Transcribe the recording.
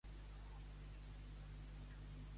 Anar a estudi amb en Roure.